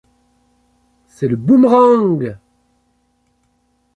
C’est le « boomerang !